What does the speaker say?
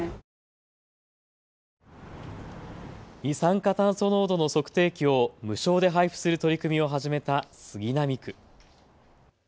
二酸化炭素濃度の測定器を無償で配布する取り組みを始めた杉並区。